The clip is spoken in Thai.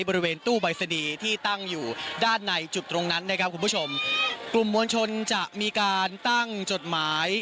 บริเวณตู้ใบสดีที่ตั้งอยู่ด้านในจุดตรงนั้นนะครับคุณผู้ชมกลุ่มมวลชนจะมีการตั้งจดหมาย